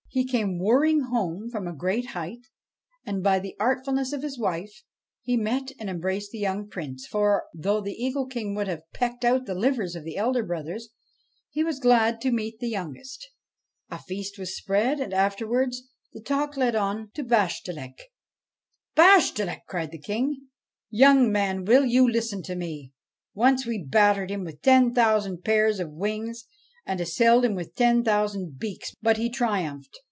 He came whirring home from a great height, no BASHTCHELIK and, by the artfulness of his wife, he met and embraced the young Prince; for, though the Eagle King would have pecked out the livers of the elder brothers, he was glad to meet the youngest. A feast was spread, and, afterwards, the talk led on to Bashtchelik. ' Bashtchelik I ' cried the Eagle King. ' Young man, will you listen to me? Once we battered him with ten thousand pairs of wings and assailed him with ten thousand beaks, but he triumphed.